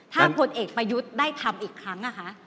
ถ้าพลเอกประยุทธ์ได้ทำอีกครั้ง